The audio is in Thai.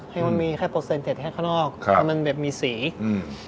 ให้มันมีแค่แค่ข้างนอกครับแล้วมันแบบมีสีอืม